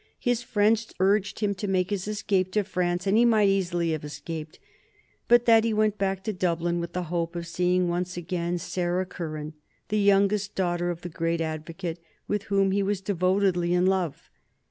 His friends urged him to make his escape to France, and he might easily have escaped but that he went back to Dublin with the hope of seeing once again Sarah Curran, the youngest daughter of the great advocate, with whom he was devotedly in love.